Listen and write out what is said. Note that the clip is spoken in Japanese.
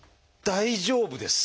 大丈夫です。